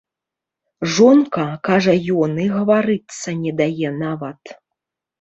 Жонка, кажа ён, і гаварыцца не дае нават.